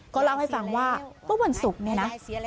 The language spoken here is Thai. ก็เล่าให้ฟังว่าเมื่อวันศุกร์เนี่ยนะ